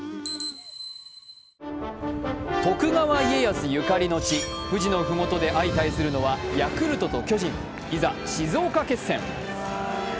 徳川家康ゆかりの地、富士の麓で相対するのはヤクルトと巨人、いざ静岡決戦。